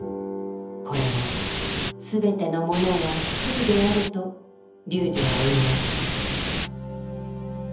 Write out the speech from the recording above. これを「すべてのものは空である」と龍樹は言いました。